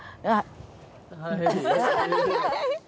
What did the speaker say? あっ。